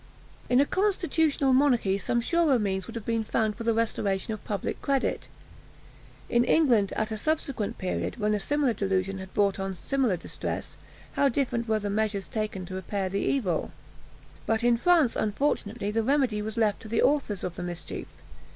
In a constitutional monarchy some surer means would have been found for the restoration of public credit. In England, at a subsequent period, when a similar delusion had brought on similar distress, how different were the measures taken to repair the evil; but in France, unfortunately, the remedy was left to the authors of the mischief.